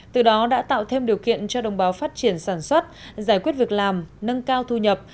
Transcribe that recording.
từ đó đã tạo thêm điều kiện cho đồng bào phát triển sản xuất giải quyết việc làm nâng cao thu nhập